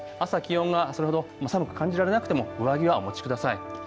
朝、気温がそれほど寒く感じられなくても上着はお持ちください。